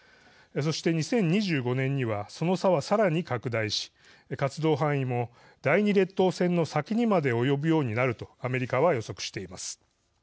そして、２０２５年にはその差はさらに拡大し活動範囲も第２列島線の先にまで及ぶようになるとアメリカは予測しています。